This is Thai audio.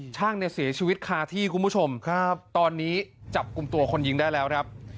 ช่างเนี่ยเสียชีวิตคาที่คุณผู้ชมครับตอนนี้จับกลุ่มตัวคนยิงได้แล้วครับ